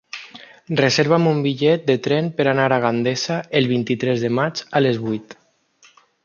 Reserva'm un bitllet de tren per anar a Gandesa el vint-i-tres de maig a les vuit.